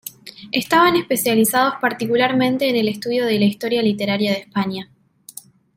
Estaban especializados particularmente en el estudio de la historia literaria de España.